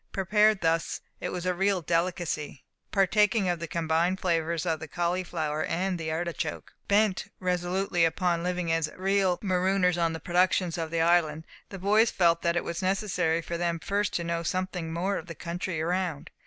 Prepared thus it was a real delicacy, partaking of the combined flavours of the cauliflower and the artichoke. Bent resolutely upon living as real "marooners" on the productions of the island, the boys felt that it was necessary for them first to know something more of the country around.